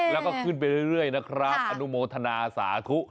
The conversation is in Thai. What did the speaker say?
แล้วก็ขึ้นไปเรื่อยนะครับอนุโมทนาสาธุ